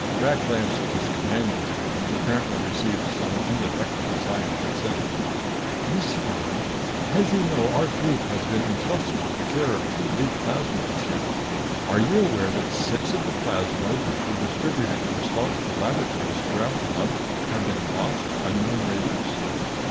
Rak glanced at his companions again and apparently received some undetectable sign of consent. "Miss Farn, as you know, our group has been entrusted with the care of two League plasmoids here. Are you aware that six of the plasmoids which were distributed to responsible laboratories throughout the Hub have been lost to unknown raiders?"